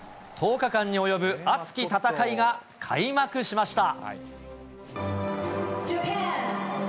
１０日間に及ぶ熱き戦いが開幕しました。